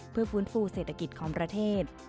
เพื่อฟื้นฟูเศรษฐกิจของประเทศ